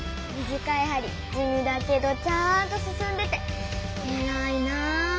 短いはりじみだけどちゃんとすすんでてえらいな！